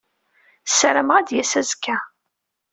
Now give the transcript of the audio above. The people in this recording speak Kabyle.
Ssarameɣ ad d-yas azekka.